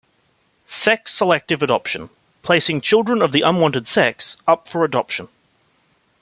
Sex-selective adoption - Placing children of the unwanted sex up for adoption.